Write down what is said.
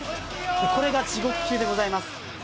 これが地獄級でございます。